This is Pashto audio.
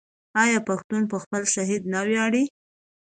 آیا پښتون په خپل شهید نه ویاړي؟